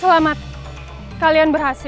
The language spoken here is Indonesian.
selamat kalian berhasil